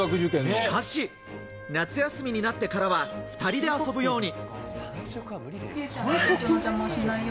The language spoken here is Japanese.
しかし夏休みになってからは２人で遊ぶように。